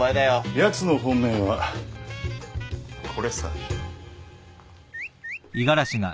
やつの本命はこれさ。